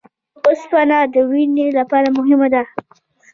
اوسپنه د وینې لپاره مهمه ده